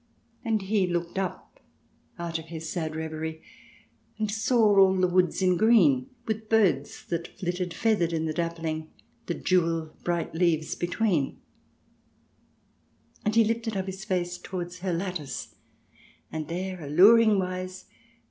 " And he looked up out of his sad reverie, And saw all the woods in green, With birds that flitted feathered in the dappling. The jewel bright leaves between. CH. V] PAX GERMANICA 63 " And he lifted up his face towards her lattice, And there, alluring wise.